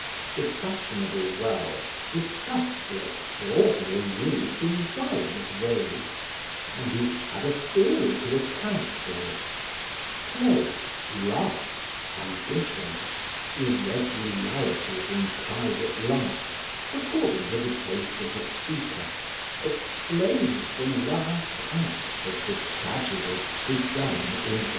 The fashionable world discussed the extraordinary news in divers ways, and each had a theory to account for it; play, love, ambition, irregularities in private life, according to the taste of the speaker, explained the last act of the tragedy begun in 1812.